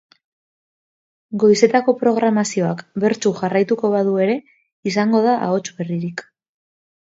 Goizetako programazioak bertsu jarraituko badu ere, izango da ahots berririk.